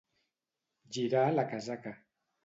Girar la casaca.